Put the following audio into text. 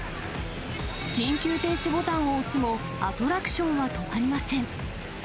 緊急停止ボタンを押すも、アトラクションは止まりません。